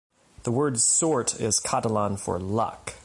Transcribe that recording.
The word "sort" is Catalan for "luck".